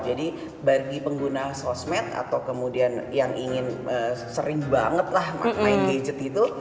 bagi pengguna sosmed atau kemudian yang ingin sering banget lah main gadget itu